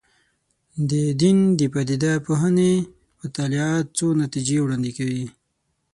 د دین د پدیده پوهنې مطالعات څو نتیجې وړاندې کوي.